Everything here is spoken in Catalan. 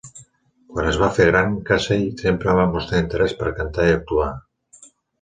Quan es va fer gran, Casey sempre va mostrar interès per cantar i actuar.